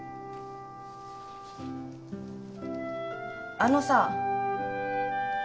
あのさ。